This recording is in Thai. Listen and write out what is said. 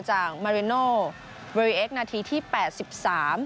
มาริโนเวริเอ็กนาทีที่แปดสิบสาม